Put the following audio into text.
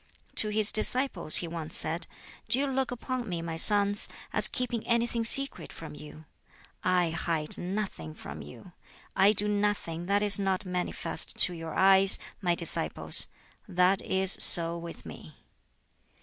To his disciples he once said, "Do you look upon me, my sons, as keeping anything secret from you? I hide nothing from you. I do nothing that is not manifest to your eyes, my disciples. That is so with me."